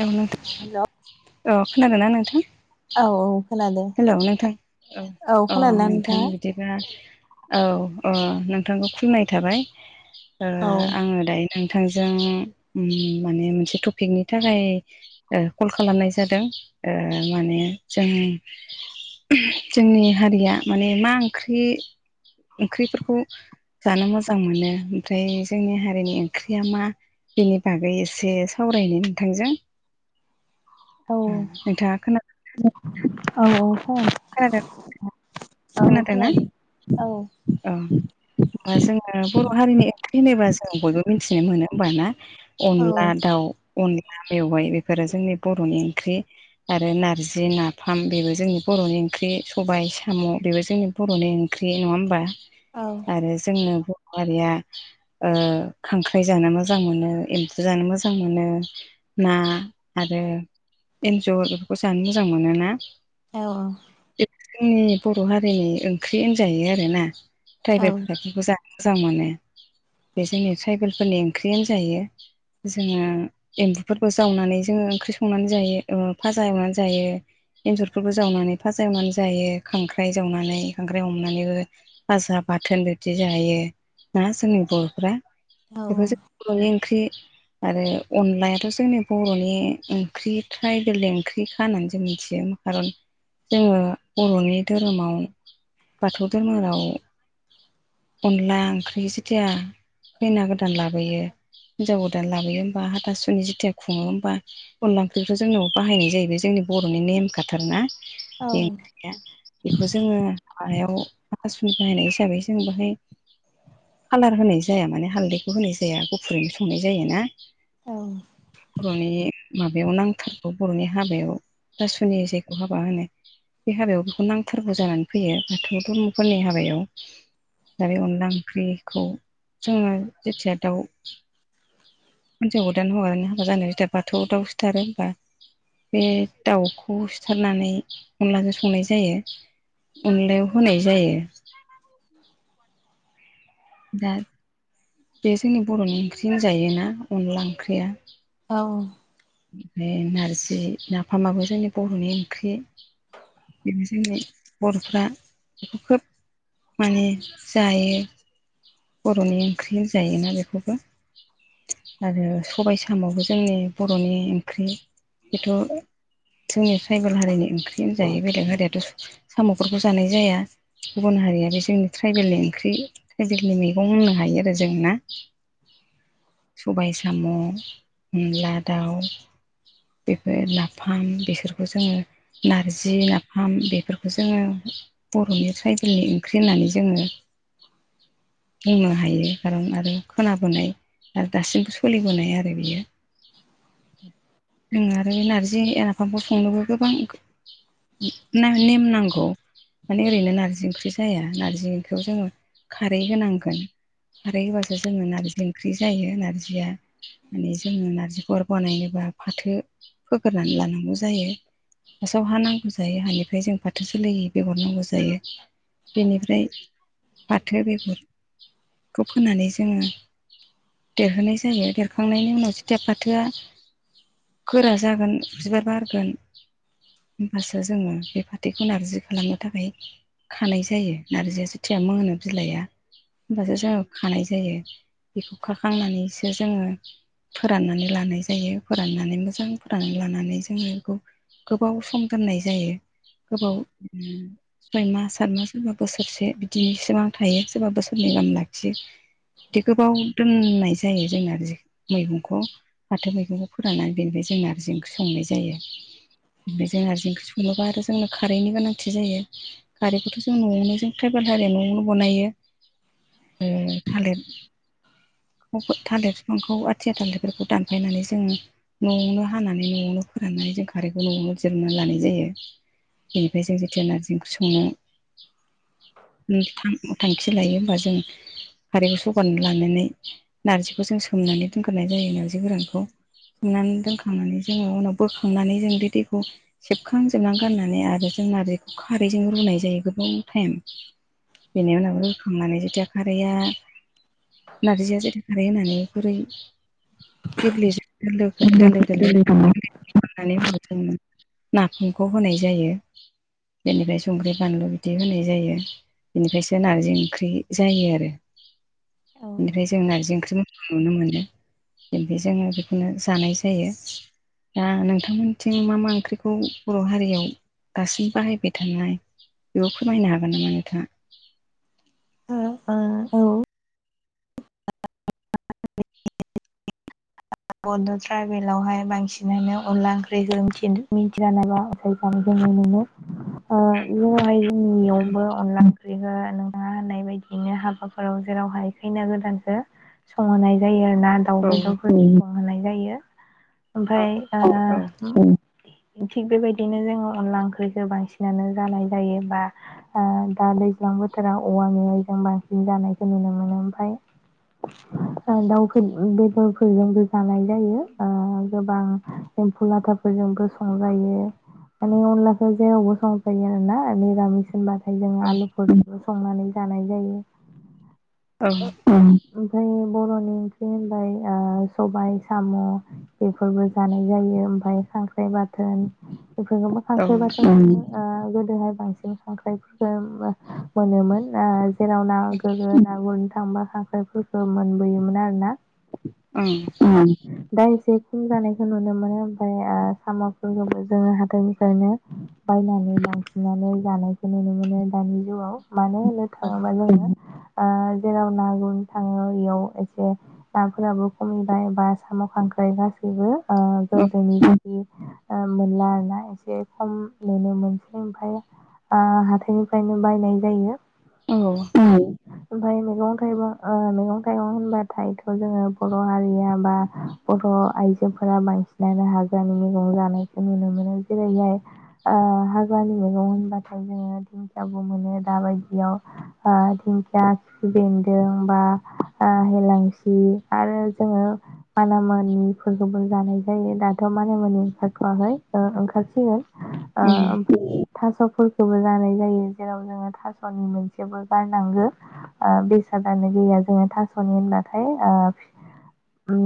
Hello hello औ नोंथां औ खोनादों ना नोंथां औ औ खोनादों हेलौ नोंथां अ खोनादोंना नोंथां नोंथाङा बि दिबा औ अ नोंथांखौ खुलिनाय थाबाय औ आङो दायो नोंथांजों माने मोनसे टपिकनि थाखाय कल खालामनाय जादों माने जों जोंनि हारिया माने मा ओंख्रि ओंख्रिफोरखौ जानो मोजां मोनो ओमफ्राय जोंनि हारिनि ओंख्रिया मा बेनि बागै एसे सावरायनो नोंथांजों औ नोंथाङा खोना [unintelligible] औ औ खोनादों औ खोनादोंना खोनादों औ औ होनबा जोङो बर' हारिनि ओंख्रि होनोबा जों बयबो मिथिनो मोनो होनबा ना औ अनला दाउ अनला मवाइ बेफोरो जोंनि बर'नि ओंख्रि आरो नारजि नाफाम बेबो जोंनि बर'नि ओंख्रि सबाय साम' बेबो जोंनि बर'नि ओंख्रि नङा होमबा औ आरो जोंनो बर' हारिया खांख्राइ जानो मोजां मोनो एम्फु जानो मोजां मोनो ना आरो एन्जर बेफोरखौ जानो मोजां मोना ना औ औ जोंनि बर' हारिनि ओंख्रि होनजायो आरोना औ ट्राइबेलफोरा बेफोरखौ जा मोजां मोनो बे जोंनि ट्राइबेलफोरनि ओंख्रि होन जायो जोङो एमफुफोरबो जावनानै जोङो ओंख्रि संनानै जायो फाजा एवनानै जायो एन्जरफोरखौ जावनानै फाजा एवनानै जायो खांख्राइ जावनानै खांख्राइ हमनानैबो फाजा बाथोन बिदि जायो ना जोंनि बर'फ्रा बेखौ जों बर'नि ओंख्रि आरो अनलायाथ' जोंनि बर'नि ओंख्रि ट्राइबेल ओंख्रिखा होननानै जों मिथियो खारन जोङो बर'नि धोरोमाव बाथौ धोरोमाव अनला ओंख्रि जेथिया खैना गोदान लाबोयो हिनजाव गोदान लाबोयो होमबा हाथासुनि जेथिया खुङो होमबा अनला ओंख्रिखौ जोंनाव बाहायनाय जायो बे जोंनि बर'नि नेमखाथार ना बे ओंख्रिया बेखौ जोङो हाबायाव हाथासुनि बाहायनाय हिसाबै जों बाहाय कालार होनाय जाया माने हालदैखौ होनाय जाया गुफुरैनो संनाय जायो ना बर'नि माबायाव नांथारगौ बर'नि हाबायाव हाथासुनि जायखौ हाबा होनो बे हाबायाव बेखौ नांथारगौ जानानै फैयो बाथौ धर्मफोरनि हाबायाव दा बै अनला ओंख्रिखौ जोङो जेथिया दाउ हिन्जाव गोदान हौवा गोदान हाबा जानाय जिथिया बाथौवाव दाव सिथारा होमबा बे दाउखौ सिथारनानै अनलाजों संनाय जायो अनलायाव होनाय जायो दा बे जोंनि बर'नि ओंख्रि होनजायोना अनला ओंख्रिया औ ओमफाय नारजि नाफामाबो जोंनि बर'नि ओंख्रि बेबो जोंनि बर'फ्रा बेखौ खोब माने जायो बर'नि ओंख्रि होनजायोना बेखौबो? आरो सबाय साम'वाबो जोंनि बर'नि ओंख्रि। बेथ' जोंनि ट्राइबेल हारिनि ओंख्रि होनजायो। बेलेग हारियाथ' साम'फोरखौ जानाय जाया गुबुन हारियारि जोंनि ट्राइबेलनि ओंख्रै बेलेग मैगं होननो हायो आरो जों ना? सबाय साम', अनला दाउ बेफोर नाफाम, बेसोरखौ जोङो नारजि, नाफाम बेफोरखौ जोङो बर'नि ट्राइबेलनि ओंख्रि होननानै जोङो बुंनो हायो। खारन आरो खोनाबोनाय आरो दासिमबो सलिबोनाय आरो बियो। जों आरो नारजि नाफामखौ संनोबो गोबां ना नेम नांगौ। माने ओरैनो नारजि ओंख्रि जाया नारजि ओंख्रियाव जोङो खारै होनांगोन। खारै होबासो जोङो नारजि ओंख्रि जायो। नारजिया माने जोङो नारजिखौ अर बानायनोबा फाथो फोगोरनानै लानांगौ जायो। फासआव हा नांगौ जायो। हानिफ्राय जों फाथो जोलैनि बेगर नांगौ जायो। बेनिफ्राय फाथो बेगर खौ फोनानै जोङो। देरहोनाय जायो देरखांनायनि उनाव जिथिया फाथोआ गोरा जागोन। बिबार बारगोन होमबासो जोङो बे फाथ बेखौ नारजि खालामनो थाखाय खानाय जायो। नारजिया जेथिया मोनो बिलाया होमबासो जोङो खानाय जायो। बिखौ खाखांनानैसो जोङो फोराननानै लानाय जायो। फोराननानै मोजां फोराननानै लानानै जोङो गुब गोबाव सम दोननाय जायो। गोबाव सय मास सात मास सोरबा बोसोरसे बिदि सिमां थायो। सोरबा बोसोरनै गाहाम लाखियो। बिदि गोबाव दोननाय जायो, जों नारजि मैगंखौ। फाथो मैगंखौ फोराननानै बेनिफ्राय जों नारजि ओंख्रि संनाय जायो। बेजों नारजि ओंख्रि सङोबा आरो जोंनो खारैनि गोनांथि जायो। खारैखौथ' जों न'आवनो जों ट्राइबेल हारिया न'आवनो बनायो। ओ थालिद। थालिर बिफांखौ आथिया थालिरफोरखौ दानफायनानै जोङो न'आवनो हानानै न'आवनो फोराननानै जों खारैखौ न'आवनो जिरना लानाय जायो। बेनिफ्राय जों जेथिया नारजि ओंख्रि संङो उम थांथां खि लायो होमबा जों। खारैखौ सगारना लानानै नार्जिखौ जों सोमनानै दोनगोरनाय जायो नारजि गोरानखौ। सोमनानै दोनखांनानै जोङो उनाव बोखांनानै जों बे दैखौ सेबखांजोबना गाननानै आरो जों नार्जिखौ खारैजों रुनाय जायो गोबाव टाइम। बेनि उनाव ओ। खांनानै जेथिया खारैआ नारजिया जेथिया खारै होनानै गुरै। गेब्लेजोबो दोलो दोलो। नानै उनाव जों नाफामखौ होनाय जायो। बेनिफ्राय संख्रि फानलु बिदि होनाय जायो। बेनिफायसो नारजि ओंख्रि जायो आरो बेनिफ्राय जों नारजि ओंख्रि नुनो मोनो। बिनिफ्राय जोङो बिखोनो जानाय जायो। दा नोंथांमोनथिं मा मा ओंख्रिखौ बर' हारियाव दासिम बाहायबाय थानाय बेयाव फोरमायनो हागोन नामा नोंथाङा? [unintelligible] ओ औ बड' ट्राइबेलावहाय बांसिनानो अनला ओंख्रि गोरोमथि मिथिया नामा? [unintelligible] मोनो ओ [unintelligible] जोंनि इयावबो अनला ओंख्रि बि नोंथांङा होननाय बायदियैनो हाबाफोराव जेरावहाय खैना गोदानसो [unintelligible] जायो आरोना दाउ औ बेदरफोर होनाय जायो ओमफ्राय औ थिग बेबायदिनो जोंङो अनला ओंख्रिखौ बांसिनानो जानाय जायो बा दा दैज्लां बोथोराव औवा मेवाइजों बांसिन जानायखौ नुनो मोनो ओमफ्राय दाउफोर बेदरफोरजोंबो जानाय जायो गोबां एम्फौ लाथाफोरजोंबो सं जायो माने अनलासो जे अबो सम फैयोनोना रामसिन बा ओमफ्राय जोंङो आलुफोरखौ संनानै जानाय जायो। औ ओमफ्राय बर'नि ओंख्रि होनबाय सबाय साम' बेफोरबो जानाय जायो ओमफ्राय खांख्राइ बाथोन बेफोरखौ औ ओं औ खांख्राइ बाथोन गोदोहाय बांसिन खांख्राइफोरखौ मोनोमोन जेराव ना गोरगो ना गुरनो थांबा खांख्राइफोरखौ मोनबोयोमोन आरोना ओम दा एसे खम जानायखौ नुनो मोनो ओमफ्राय साम'फोरखौबो जोंङो हाथायनिफ्रायनो बायनानै लांफिननानै जानायखौ नुनो मोनो दानि जुगाव मानो होनो थांङोबा जोंङो जेराव ना गुरनो थांङो बेयाव एसे नाफोराबो खमाय बा साम' खांख्राइ गासैबो गोदोनि बायदि मोनला आरोना एसे खम नुनो मोनसै ओमफ्राय ओ हाथाइनिफ्रायनो बायनाय जायो औ उम ओमफ्राय मैगं थाइगं मैगं थाइगं होनबाथायथ' जोंङो बर' हारिया बा बर' आइजोफोरा बांसिनानो हाग्रानि मैगं जानायखौ नुनो मोनो जेरैहाय हाग्रानि मैगं होनबाथाय जोंङो दिंखिबो मोनो दा बायदियाव ओ दिंखिया बेन्दों बा हेलांसि आरो जोंङो मानामनिफोरखौबो जानाय जायो दाथ' मानामुनि ओंखारथ'वाखै ओंखारसिगोन आ उम ओमफ्राय थास'फोरखौबो जानाय जायो जेराव जोंङो थास'नि मोनसेबो गारनांगो बेसादानो गैया जोंङो थास'नि होनबाथाय ओ उम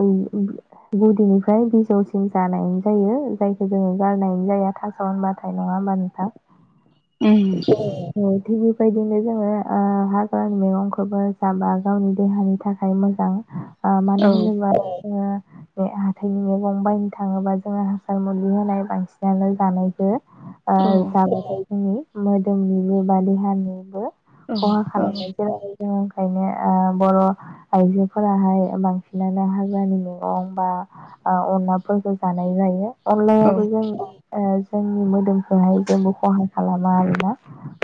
ओं ओंख्रि गुदिनिफ्राय बिजौसिम जानाय जायो जायखौ जोंङो गारनाय जाया थां [unintelligible] थाय नंङा होमबा नोंथां [inaudible] औ थिग बेबायदिनो जोंङो हाग्रानि मैगंखौबो जाबा गावनि देहानि थाखाय मोजां आ औ मानो होन [unintelligible] हाथाइनि मैगं बायनो थांङोबा जोंङो हासार मुलि होनाय बांसिनानो जानायबो औ जाबाथाय जोंनि मोदोमनिबो बा देहानिबो औ खहा औ खालामो ओंखायनो बर' आइजोफोराहाय बांसिनानो हाग्रानि मैगं बा ओ अनलाफोरखौ जानाय जायो ओं अनलायाबो जों जोंनि मोदोमखौहाय जोंबो खहा खालामा आरोना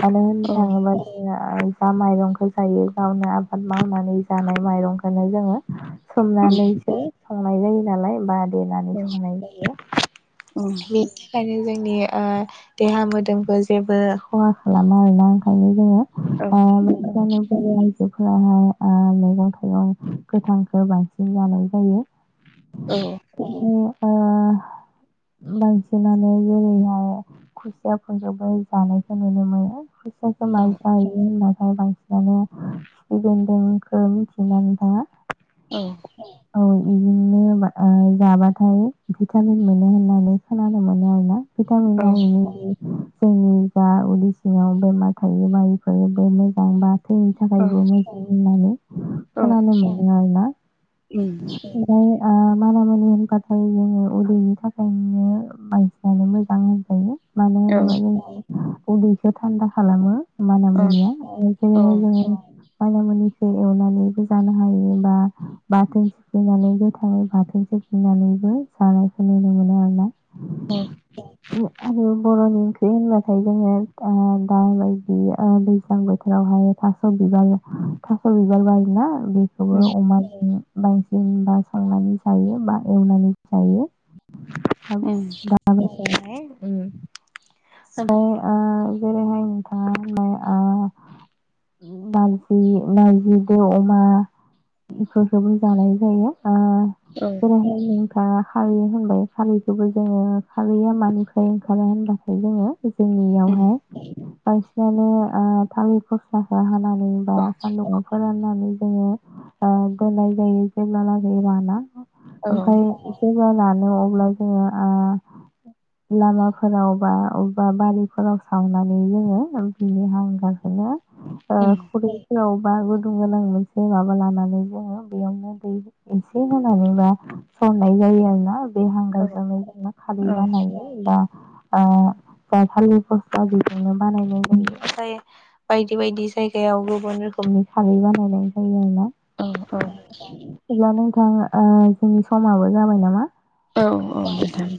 मानो होननो औ थांङोबा जोंनिया बा माइरंखौ जायो गावनो आबाद मावनानै जानाय माइरंखौनो जोंङो औ सोमनानैसो संनाय जायो नालाय बा बेनानै संनाय जायो बेनि थाखायनो जोंनि देहा मोदोमखौ जेबो खहा खालामा आरोना ओंखायनो जोंङो बेनिखायनो बर' आइजोफोराहाय मैगं थाइगं गोथांखौ बांसिन जानाय जायो औ बांसिनानो जेरैहाय खुसियाफोरफोरखौबो जानायखौ नुनो मोनो खुसियाखौ औ मायो जायो होनावहाय बांसिनानो खिफि बेनदोंखौ मिथिनानै दा औ औ बिदिनो जाबाथाय भिटामिन मोनो होननानै खोनानो मोनो आरोना भिटामिन औ जोंनि जा उदै सिङाव बेमार थायो बायफोर बे मोजां बा जोंनि औ थाखायबो मोजां होननानै औ खोनानो मोनदों आरो ना उम फाय आ मानामुनि होबाथाय जोङो उदैनि थाखायनो बायसिनानो मोजां होनजायो मानो औ होनोबा जों उदैसो थानदा खालामो औ मानामुनिया औ बेखायनो जोङो मानामुनिखौ एवनानैबो जानो हायोबा बाथोन सिफ्लेनानै गोथाङै बाथोनखौ होननानैबो जानायखौ नुनो मोनो आरो ना उम आरो बर'न् ओंख्रि होनब्लाथाय जोङो दा बाय [unintelligible] बि दैज्लां बोथोरावहाय थास' बिबार थास' बिबार बारोना बेखौबो उम अमा जों बांसिन बा संनानै जायो बा एवनानै जायो [unintelligible] स' ओ जेरैहाय [unintelligible] नारजि नारजि [unintelligible] अमा इफोरखौबो जानाय जायो ओ औ जेरैहाय नोंथाङा खारै होनबाय खारैखौबो जोङो खारैया मानिफ्राय ओंखारो होनब्ला जोङो उम जोंनियावनो बांसिनानो आ थालिर फस्लाखौ हानानै बा सानदुंआव फोरनानै जोङो दोननाय जायो जेब्ला लागै राना औ ओमफ्राय जेब्ला रानो अब्ला जोङो आ लामाफोराव बा अबेबा बारिफोराव सावनानै जों बिनि हांगारखौनो आ खुरै फोरावबा गुदुं गोनां मोनसे माबा लानानै जोङो बेयावनो दै एसे होनानैबा सरनाय जायो आरोना बे हांगारजोंनो जोङो खारै बानायो बा आ जा थालिर फस्ला बेजोंनो बानायनाय जायो, जायो बायदि बायदि जायगायाव गुबुन रोखोमनि खारै बानायनाय जायो आरोना औ-औ अब्ला नोंथां जोंनि समाबो जाबाय नामा औ-औ नोंथां